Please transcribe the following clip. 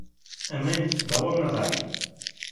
ئەمن بە وەم نەزانی